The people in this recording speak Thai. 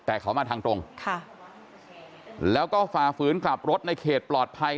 แต่เขามาทางตรงค่ะแล้วก็ฝ่าฝืนกลับรถในเขตปลอดภัย